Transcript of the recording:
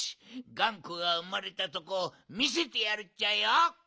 がんこがうまれたとこをみせてやるっちゃよ！